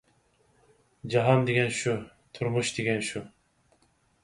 جاھان دېگەن شۇ، تۇرمۇش دېگەن شۇ!